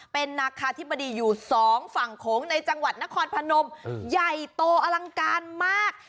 เป็นนาคาธิบดีอยู่สองฝั่งโขงในจังหวัดนครพนมใหญ่โตอลังการมาก